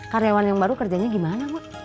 karyawan yang baru kerjanya gimana bu